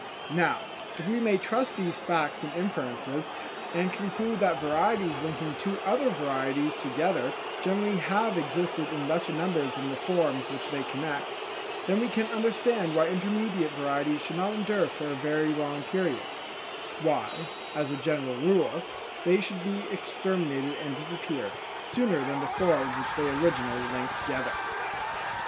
Now, if we may trust these facts and inferences, and conclude that varieties linking two other varieties together generally have existed in lesser numbers than the forms which they connect, then we can understand why intermediate varieties should not endure for very long periods: why, as a general rule, they should be exterminated and disappear, sooner than the forms which they originally linked together.